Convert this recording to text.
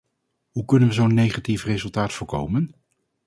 Hoe kunnen we zo'n negatief resultaat voorkomen?